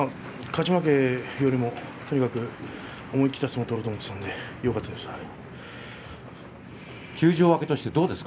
勝ち負けよりも、とにかく思い切った相撲を取ろうと思っていたのでよかったです。